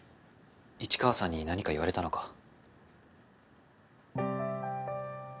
市川さんに何か言われたのか？